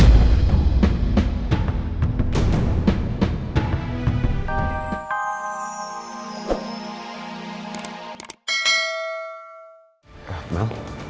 sampai jumpa di video selanjutnya